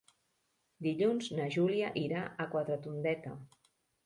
Dilluns na Júlia irà a Quatretondeta.